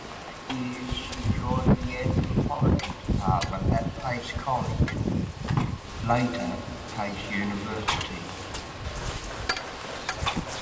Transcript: That year she joined the anthropology department at Pace College (later Pace University).